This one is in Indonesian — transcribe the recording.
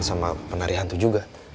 sama penari hantu juga